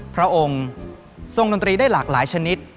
พระองค์ทรงดนตรีได้หลากหลายชนิด